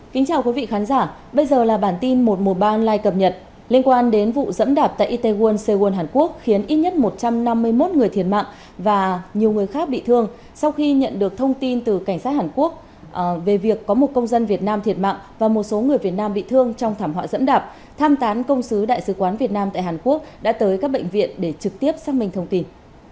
xin chào quý vị khán giả bây giờ là bản tin một trăm một mươi ba online cập nhật liên quan đến vụ dẫm đạp tại itaewon seoul hàn quốc khiến ít nhất một trăm năm mươi một người thiệt mạng và nhiều người khác bị thương sau khi nhận được thông tin từ cảnh sát hàn quốc về việc có một công dân việt nam thiệt mạng và một số người việt nam bị thương trong thảm họa dẫm đạp tham tán công sứ đại sứ quán việt nam tại hàn quốc đã tới các bệnh viện để trực tiếp xác minh thông tin